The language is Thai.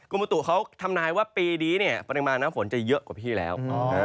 บุตุเขาทำนายว่าปีนี้เนี่ยปริมาณน้ำฝนจะเยอะกว่าพี่แล้ว